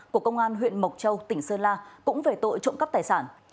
của công an huyện mộc châu tỉnh sơn la cũng về tội trộm cắp tài sản